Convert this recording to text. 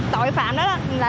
tội phạm đó là